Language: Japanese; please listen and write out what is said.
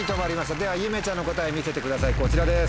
ではゆめちゃんの答え見せてくださいこちらです。